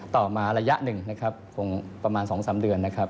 ต่อมาระยะหนึ่งนะครับคงประมาณ๒๓เดือนนะครับ